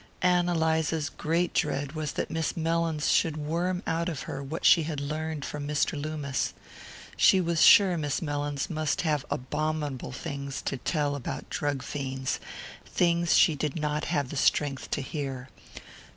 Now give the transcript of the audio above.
Ann Eliza's great dread was that Miss Mellins should worm out of her what she had learned from Mr. Loomis. She was sure Miss Mellins must have abominable things to tell about drug fiends things she did not have the strength to hear.